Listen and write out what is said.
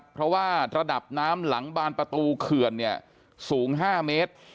เพราะว่าระดับน้ำหลังบานประตูเขื่อนเนี่ยสูง๕เมตร